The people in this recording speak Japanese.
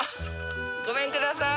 ごめんください。